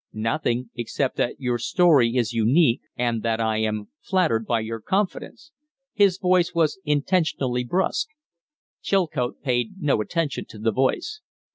"Nothing, except that your story is unique, and that I suppose I am flattered by your confidence." His voice was intentionally brusque. Chilcote paid no attention to the voice.